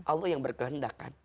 bahwa allah yang berkendahkan